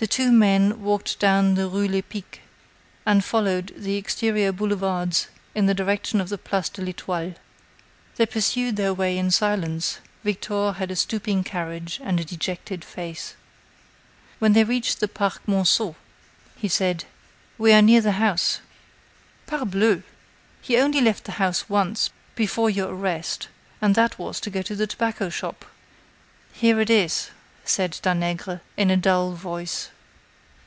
The two men walked down the rue Lepic and followed the exterior boulevards in the direction of the Place de l'Etoile. They pursued their way in silence; Victor had a stooping carriage and a dejected face. When they reached the Parc Monceau, he said: "We are near the house." "Parbleu! You only left the house once, before your arrest, and that was to go to the tobacco shop." "Here it is," said Danègre, in a dull voice.